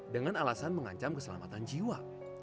dengan alasan mengancam keselamatan jiwa